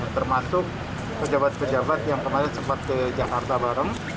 termasuk pejabat pejabat yang kemarin sempat ke jakarta bareng